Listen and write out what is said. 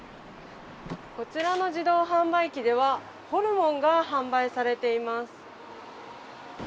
こちらの自動販売機では、ホルモンが販売されています。